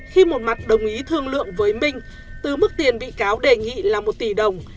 khi một mặt đồng ý thương lượng với minh từ mức tiền bị cáo đề nghị là một tỷ đồng